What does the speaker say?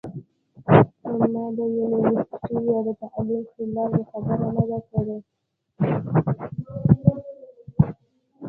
ما د يونيورسټۍ يا د تعليم خلاف خبره نۀ ده کړې